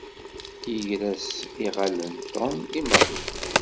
Yegra-s iɣallen Tom i Mary.